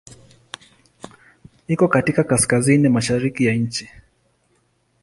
Iko katika kaskazini-mashariki ya nchi.